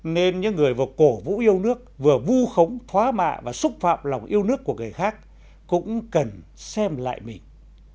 nên những người vừa cổ vũ yêu nước vừa vu khống thóa mạ và xúc phạm lòng yêu nước của người khác cũng cần xem lại mình